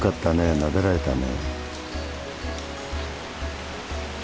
なでられたね。